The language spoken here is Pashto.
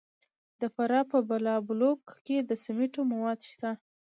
د فراه په بالابلوک کې د سمنټو مواد شته.